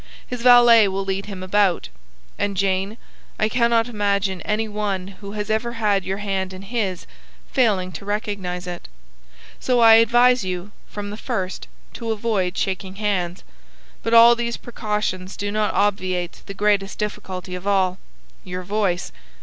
His valet will lead him about. And, Jane, I cannot imagine any one who has ever had your hand in his, failing to recognise it. So I advise you, from the first, to avoid shaking hands. But all these precautions do not obviate the greatest difficulty of all, your voice.